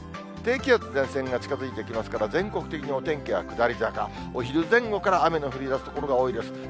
低気圧、前線が近づいてきますから、全国的にお天気は下り坂、お昼前後から雨の降りだす所が多いです。